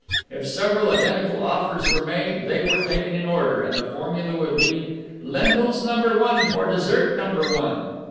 If several identical offers were made, they were taken in order, and the formula would be, "Lentils number one for dessert number one."